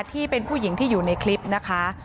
ที่เป็นผู้หญิงที่อยู่ในคลิปนะคะ